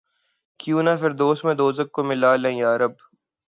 کیوں نہ فردوس میں دوزخ کو ملا لیں یارب!